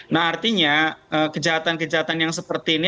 nah artinya kejahatan kejahatan yang seperti ini